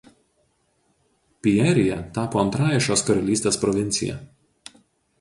Pierija tapo antrąja šios karalystės provincija.